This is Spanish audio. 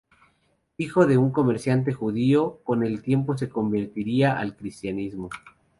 Hijo de un comerciante judío, con el tiempo se convertiría al cristianismo.